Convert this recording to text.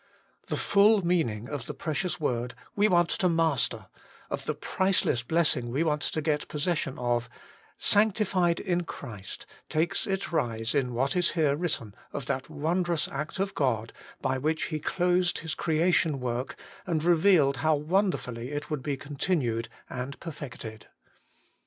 The full meaning of the precious word we want to master, of the priceless blessing we want to get possession of, ' Sanctified in Christ,' takes its rise in what is here written of that wondrous act of God, by which He closed His creation work, and revealed how wonderfully it would be continued and perfected.